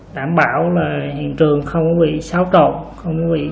đảm bảo hiện trường không bị xáo trộn